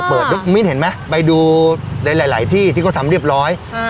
เปิดมิ้นเห็นไหมไปดูหลายหลายหลายที่ที่เขาทำเรียบร้อยอืม